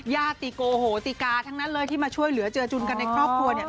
ญาติติโกโหติกาทั้งนั้นเลยที่มาช่วยเหลือเจอจุนกันในครอบครัวเนี่ย